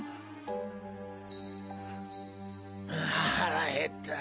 腹減った。